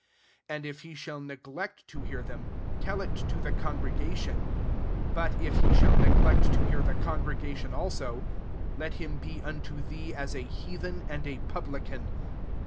17 And if he shall neglect to hear them, tell it to the congrega tion : but if he shall neglect to hear the congregation also, let him be unto thee as a heathen and a publican.